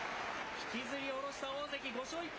引きずりおろした大関、５勝１敗。